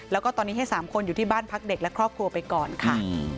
แล้วก็ตอนนี้ให้๓คนอยู่ที่บ้านพักเด็กและครอบครัวไปก่อนค่ะ